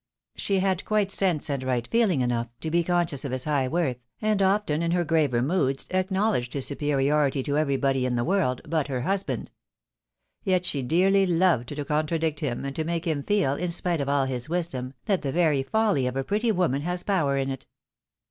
She had quite sense and right feehng enough to be conscious of his high worth, and often in her graver moods, acknowledged his superiority to everybody in the world, but her husband. Yet she dearly loved to contradict him, and to make him feel, in spite of all his wisdom, that the very folly of a pretty woman has power in it.